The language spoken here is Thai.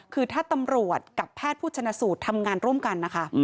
คือถ้าตำรวจกับแพทย์ผู้ชนะสูตรทำงานร่วมกันนะคะ